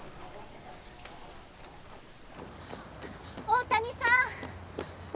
大谷さん！